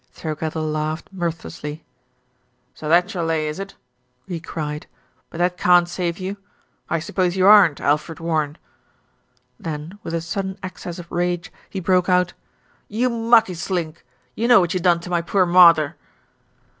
Thirkettle laughed mirthlessly. "So that's your lay, is it?" he cried; "but that can't save you. I suppose you aren't Alfred Warren." Then, with a sudden access of rage he broke out, "You mucky slink. You know what you done to my poor mawther."